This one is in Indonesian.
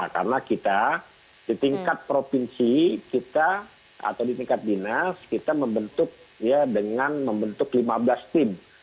karena kita di tingkat provinsi kita atau di tingkat dinas kita membentuk ya dengan membentuk lima belas tim